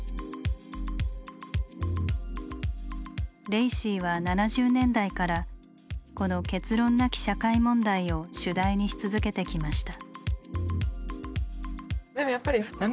レイシーは７０年代からこの「結論なき社会問題」を主題にし続けてきました。